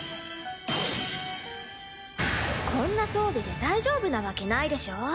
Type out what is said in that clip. こんな装備で大丈夫なわけないでしょ。